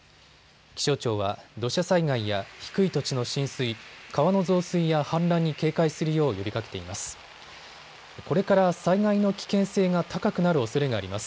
気象庁は土砂災害や低い土地の浸水、川の増水や氾濫に警戒するよう呼びかけています。